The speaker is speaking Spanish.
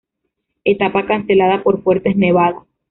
Etapa cancelada por fuertes nevadas.